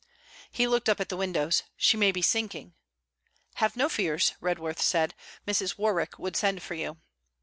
He looked up at the windows. 'She may be sinking!' 'Have no fears,' Redworth said; 'Mrs. Warwick would send for you.'